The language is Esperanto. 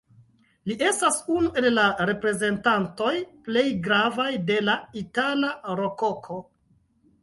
Li estas unu el la reprezentantoj plej gravaj de la itala Rokoko.